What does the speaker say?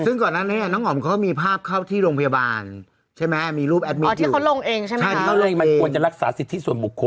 ซึ่งก่อนหน้านี้อ่ะน้องอ๋อมเขามีภาพเข้าที่โรงพยาบาลใช่ไหมมีรูปอ๋อที่เขาลงเองใช่ไหมคะ